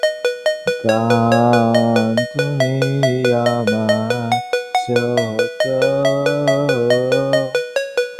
– গান।